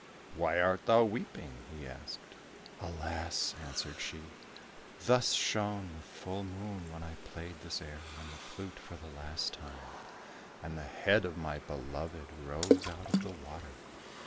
"Why art thou weeping?" he asked. "Alas," answered she, "thus shone the full moon when I played this air on the flute for the last time, and the head of my beloved rose out of the water."